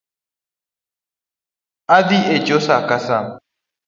Adhi echo sa ka sa